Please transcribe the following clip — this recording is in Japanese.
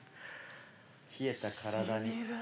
冷えた体に。